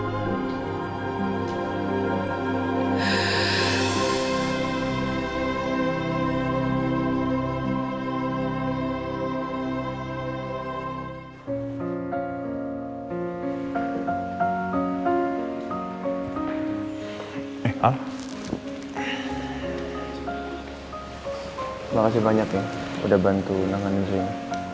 terima kasih banyak ya sudah membantu menangani zain